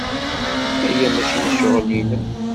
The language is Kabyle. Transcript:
Aya maci d ccɣel-nnem.